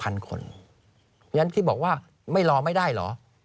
เพราะฉะนั้นที่บอกว่าไม่รอไม่ได้เหรอ